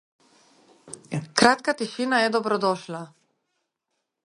Kratka tišina je bila dobrodošla.